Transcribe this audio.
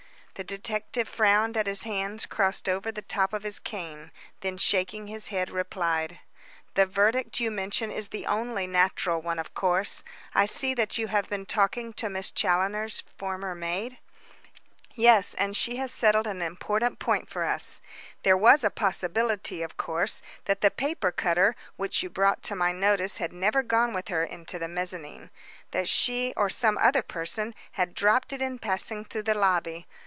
The detective frowned at his hands crossed over the top of his cane, then shaking his head, replied: "The verdict you mention is the only natural one, of course. I see that you have been talking with Miss Challoner's former maid?" "Yes, and she has settled an important point for us. There was a possibility, of course, that the paper cutter which you brought to my notice had never gone with her into the mezzanine. That she, or some other person, had dropped it in passing through the lobby.